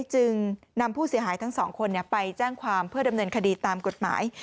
จึงนำผู้เสียหายทั้งสองคนไปแจ้งความเพื่อดำเนินคดีตามกฎหมาย